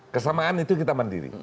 kesamaan itu kita mandiri